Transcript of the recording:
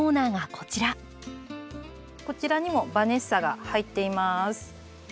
こちらにもバネッサが入っています。